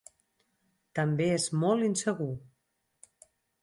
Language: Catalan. També és molt insegur.